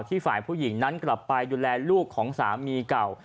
ฝ่ายผู้หญิงนั้นกลับไปดูแลลูกของสามีเก่า